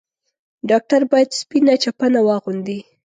ډاکټر بايد سپينه چپنه واغوندي.